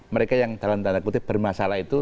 mereka yang dalam tanda kutip bermasalah itu